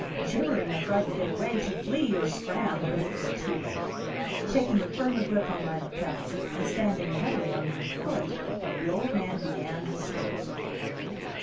Gibbering, I tried to get away, to flee or scram, but it was too late. Taking a firmer grip on my lapels, and standing heavily on my foot, the old man began his story.